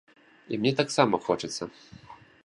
І мне таксама хочацца.